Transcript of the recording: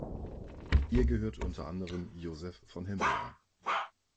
Ihr gehört unter anderem Josef von Hempel an.